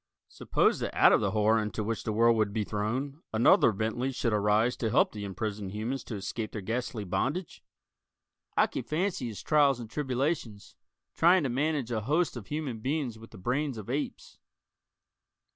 Suppose that out of the horror into which the world would be thrown, another Bentley should arise to help the imprisoned humans to escape their ghastly bondage? I can fancy his trials and tribulations, trying to manage a host of human beings with the brains of apes.